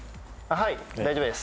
はい大丈夫です